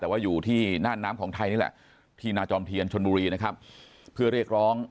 แต่อยู่ที่หน้าน้ำของไทยนี่แหละที่นาธรรมเทียนชนบุรีเพื่อเรียกร้อง